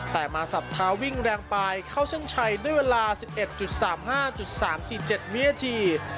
แต่มาสับท้าวิ่งแรงปลายเข้าเส้นชัยด้วยเวลา๑๑๓๕๓๔๗วินาที